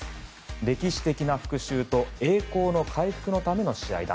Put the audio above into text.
歴史的な復讐と栄光の回復のための試合だ。